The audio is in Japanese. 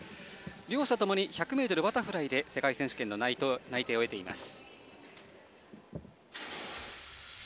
両者ともに１００ｍバタフライで世界選手権内定を得ています。